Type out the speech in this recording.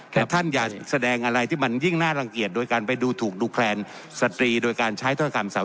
แต่ท่านอย่าแสดงอะไรที่มันยิ่งน่ารังเกียจโดยการไปดูถูกดูแคลนสตรีโดยการใช้ถ้อยคำ